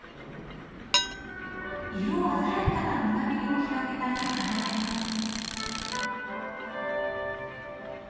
色鮮やかな胸びれを広げた魚がいます。